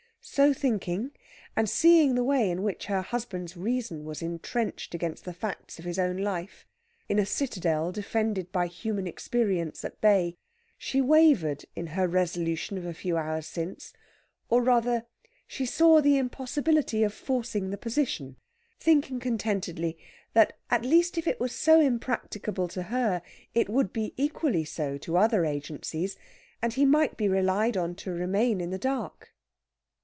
So thinking, and seeing the way in which her husband's reason was entrenched against the facts of his own life, in a citadel defended by human experience at bay, she wavered in her resolution of a few hours since or, rather, she saw the impossibility of forcing the position, thinking contentedly that at least if it was so impracticable to her it would be equally so to other agencies, and he might be relied on to remain in the dark.